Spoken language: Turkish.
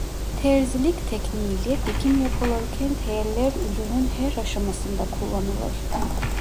Terzilik tekniği ile dikim yapılırken teyeller ürünün her aşamasında kullanılır.